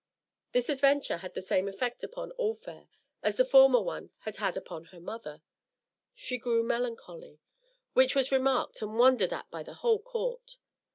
This adventure had the same effect upon All Fair as the former one had had upon her mother. She grew melancholy, which was remarked and wondered at by the whole court.